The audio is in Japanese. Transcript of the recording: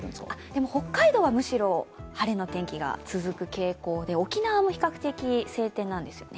でも北海道はむしろ、晴れの天気が続く傾向で沖縄も比較的晴天なんです。